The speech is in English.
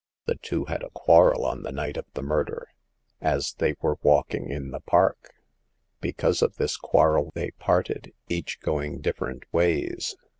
The two had a quarrel on the night of ^be murder, as they were walking in the park. The Eighth Customer. 219 Because of this quarrel they parted, each going different ways.